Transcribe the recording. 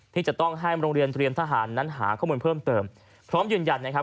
ที่จะต้องให้โรงเรียนเตรียมทหารนั้นหาข้อมูลเพิ่มเติมพร้อมยืนยันนะครับ